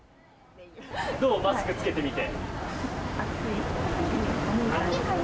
どう、マスク着けてみて？